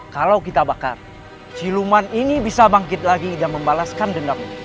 kalau kita bakar siluman ini bisa bangkit lagi dan membalaskan dendam